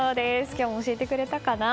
今日も教えてくれたかな。